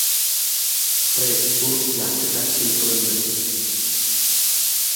Press tur yaxshi tashkil qilindi.